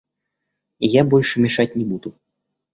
Я больше мешать не буду.